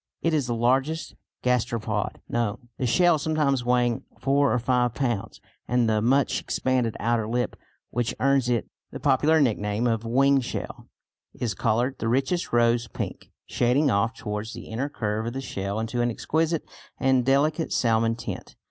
It is the largest gasteropod known, the shell sometimes weighing four or five pounds, and the much expanded outer lip, which earns it the popular nickname of "wing shell," is coloured the richest rose pink, shading off towards the inner curve of the shell into an exquisite and delicate salmon tint.